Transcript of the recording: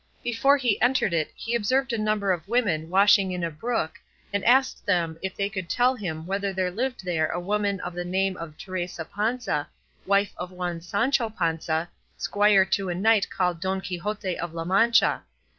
Before he entered it he observed a number of women washing in a brook, and asked them if they could tell him whether there lived there a woman of the name of Teresa Panza, wife of one Sancho Panza, squire to a knight called Don Quixote of La Mancha.